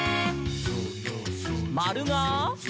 「まるが？」